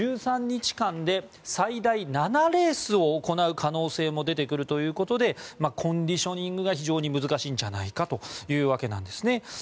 １３日間で最大７レースを行う可能性も出てくるということでコンディショニングが非常に難しいんじゃないかというわけなんです。